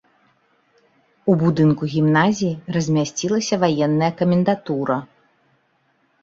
У будынку гімназіі размясцілася ваенная камендатура.